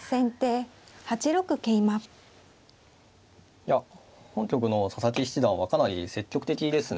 いや本局の佐々木七段はかなり積極的ですね。